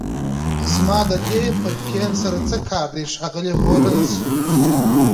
زما د دې پرکینز سره څه کار دی ښاغلی هولمز